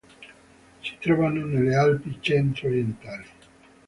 Si trovano nelle Alpi Centro-orientali.